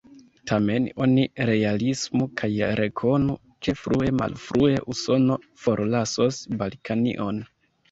Tamen oni realismu kaj rekonu, ke frue malfrue Usono forlasos Balkanion.